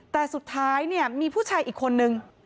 แต่สุดท้ายมีผู้ชายอีกคนหนึ่ง